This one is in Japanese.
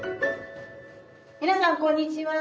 皆さんこんにちは。